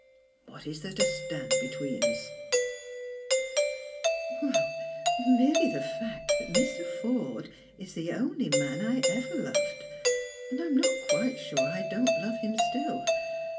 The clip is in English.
What is there to stand between us ?"" [Merely the fact that Mr. Forde is the only man I ever loved, and I am not quite sure I don't love him still.